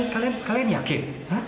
kalian kalian yakin